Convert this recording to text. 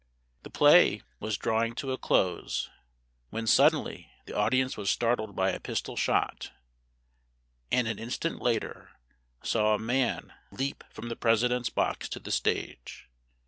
The play was drawing to a close, when suddenly the audience was startled by a pistol shot, and an instant later saw a man leap from the President's box to the stage.